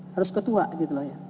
harus ketua gitu loh ya